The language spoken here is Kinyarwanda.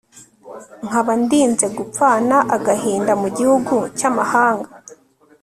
nkaba ndinze gupfana agahinda mu gihugu cy'amahanga